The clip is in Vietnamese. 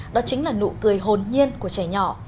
đó chính là nụ cười hồn nhiên của trẻ nhỏ